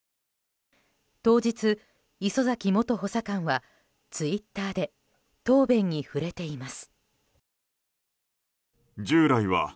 当日、礒崎元補佐官はツイッターで答弁に触れています。